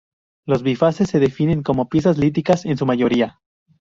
Los bifaces se definen como piezas líticas, en su mayoría.